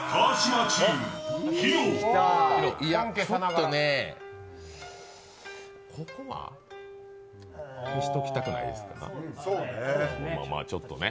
ちょっとね、ここは消しときたくないですか？